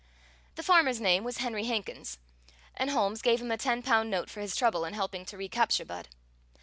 The farmer's name was Henry Hankins, and Holmes gave him a ten pound note for his trouble in helping to recapture Budd.